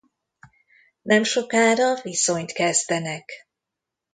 Nemsokára viszonyt kezdenek.